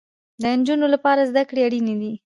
د انجونو لپاره زده کړې اړينې دي